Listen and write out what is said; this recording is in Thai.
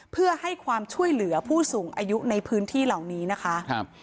เพื่อให้ความช่วยเหลือผู้สูงอายุในพื้นที่เหล่านี้นะคะครับ